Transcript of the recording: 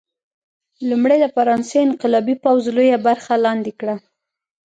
لومړی د فرانسې انقلابي پوځ لویه برخه لاندې کړه.